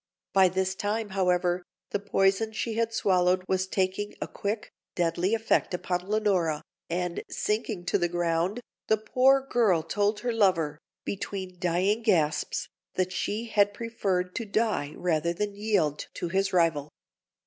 By this time, however, the poison she had swallowed was taking a quick, deadly effect upon Leonora, and, sinking to the ground, the poor girl told her lover, between dying gasps, that she had preferred to die rather than yield to his rival.